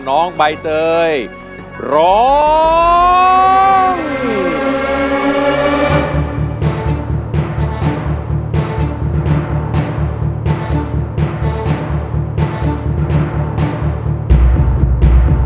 น้องใบเตยร้องไปเรียบร้อยแล้วนะครับ